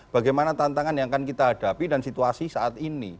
bagaimana tantangan yang akan kita hadapi dan situasi saat ini